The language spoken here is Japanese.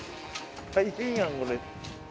大変やんこれ。